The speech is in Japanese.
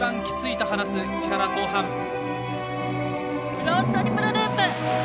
スロートリプルループ。